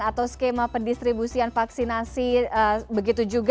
atau skema pendistribusian vaksinasi begitu juga